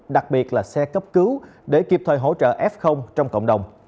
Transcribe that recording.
đặc biệt là xe cấp cứu để kịp thời hỗ trợ f trong cộng đồng